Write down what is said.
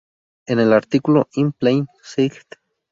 En el artículo "In Plane Sight?